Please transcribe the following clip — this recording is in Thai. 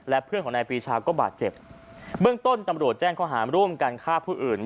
และเพื่อนของนายปีชาก็บาดเจ็บเบื้องต้นตำรวจแจ้งข้อหาร่วมกันฆ่าผู้อื่น